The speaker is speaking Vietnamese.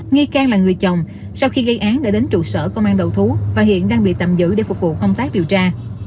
nghi can là người chồng sau khi gây án đã đến trụ sở công an đầu thú và hiện đang bị tạm giữ để phục vụ công tác điều tra